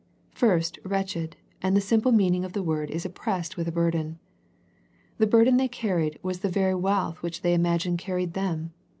First, " wretched " and the simple meaning of the word is oppressed with a burden. The burden they carried was the very wealth which they imagined carried them.